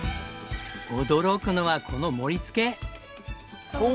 驚くのはこの盛り付け。